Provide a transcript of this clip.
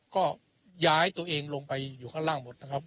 ก็ย้ายตัวเองลงไปอยู่ข้างล่างหมดนะครับ